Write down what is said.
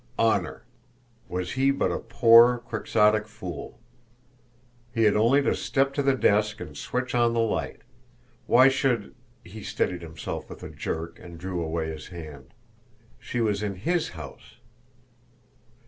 Honour! Was he but a poor, quixotic fool! He had only to step to the desk and switch on the light! Why should he steadied himself with a jerk, and drew away his hand. She was in HIS house.